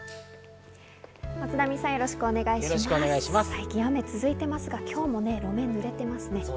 最近、雨続いてますが今日も路面が濡れてますね。